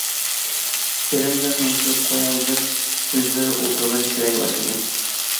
ئېرىمگە تونۇشتۇرۇپ قوياي دەپ ئۆزلىرى ئولتۇرغان شىرەگە باشلىدى.